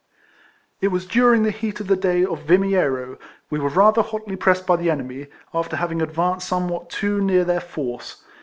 It was during the heat of the day of A'imiero. We were rather hotly pressed by the enemy, after having advanced somewhat too near their force.